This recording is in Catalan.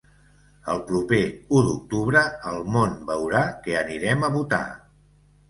El proper u d’octubre el món veurà que anirem a votar.